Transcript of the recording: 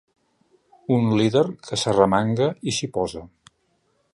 Un líder que s’arremanga i s’hi posa.